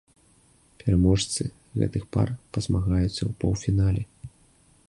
Пераможцы гэтых пар пазмагаюцца ў паўфінале.